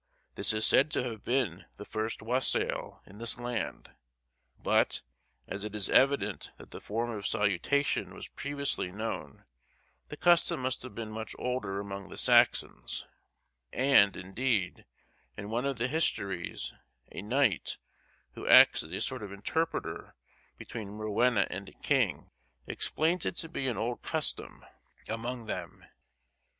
This is said to have been the first wassail in this land; but, as it is evident that the form of salutation was previously known, the custom must have been much older among the Saxons; and, indeed, in one of the histories, a knight, who acts as a sort of interpreter between Rowena and the king, explains it to be an old custom among them.